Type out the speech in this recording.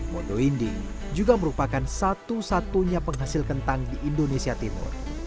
modo inding juga merupakan satu satunya penghasil kentang di indonesia timur